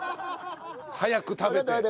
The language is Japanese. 早く食べて。